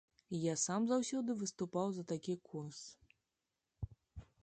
Я сам заўсёды выступаў за такі курс.